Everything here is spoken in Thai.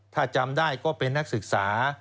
ถ้าจำได้ก็เป็นนักศึกษา